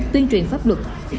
tuyên truyền pháp luật